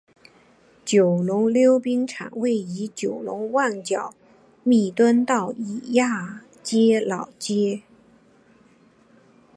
九龙溜冰场位于九龙旺角弥敦道与亚皆老街。